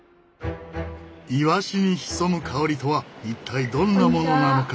イワシに潜む香りとは一体どんなものなのか？